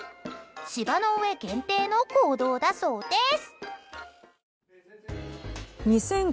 芝の上限定の行動だそうです。